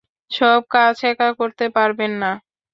সব কাজ একা করতে পারবেন না।